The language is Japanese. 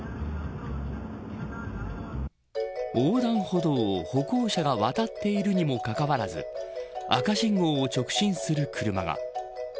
横断歩道を歩行者が渡っているにもかかわらず赤信号を直進する車が。